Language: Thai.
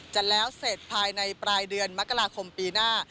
จะแล้วเสร็จภายในปลายเดือนมกราคมปีหน้า